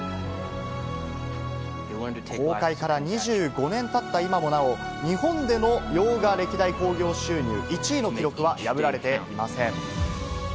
公開から２５年経った今もなお日本での洋画歴代興行収入１位の記録は破られていません。